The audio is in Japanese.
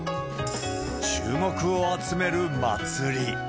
注目を集める祭り。